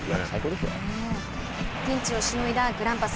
ピンチをしのいだグランパス。